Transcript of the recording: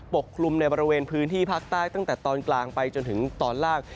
กลุ่มในบริเวณพื้นที่ภาคใต้ตั้งแต่ตอนกลางไปจนถึงตอนล่าง